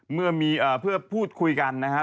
เมื่อมีเพื่อพูดคุยกันนะฮะ